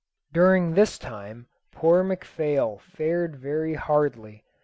During this time poor McPhail fared very hardly.